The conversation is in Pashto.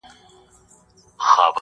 جهاني ما دي د خوبونو تعبیرونه کړي٫